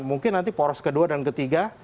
mungkin nanti poros kedua dan ketiga